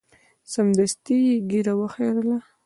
سمدستي یې ږیره وخریله.